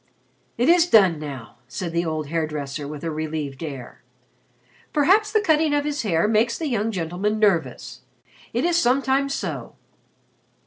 "It is done now," said the old hair dresser with a relieved air. "Perhaps the cutting of his hair makes the young gentleman nervous. It is sometimes so."